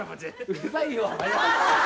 うるさいよ！